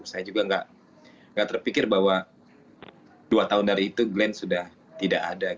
saya juga nggak terpikir bahwa dua tahun dari itu glenn sudah tidak ada